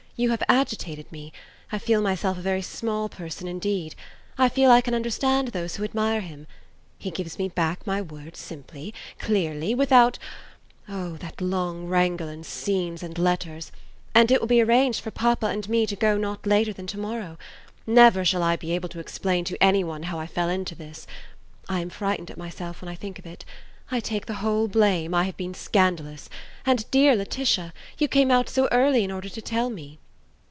You have agitated me. I feel myself a very small person indeed. I feel I can understand those who admire him. He gives me back my word simply? clearly? without Oh, that long wrangle in scenes and letters? And it will be arranged for papa and me to go not later than to morrow? Never shall I be able to explain to any one how I fell into this! I am frightened at myself when I think of it. I take the whole blame: I have been scandalous. And, dear Laetitia! you came out so early in order to tell me?"